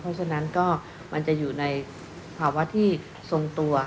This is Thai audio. เพราะฉะนั้นก็มันจะอยู่ในภาวะที่ทรงตัว